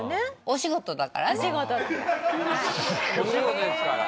お仕事ですから。